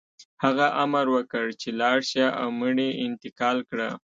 هغه امر وکړ چې لاړ شه او مړي انتقال کړه